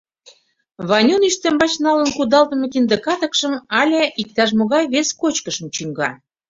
Ванюн ӱстембач налын кудалтыме кинде катыкшым але иктаж-могай вес кочкышым чӱҥга.